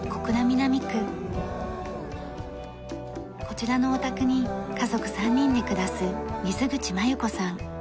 こちらのお宅に家族３人で暮らす水口摩由子さん。